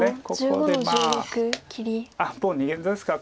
もう逃げですか。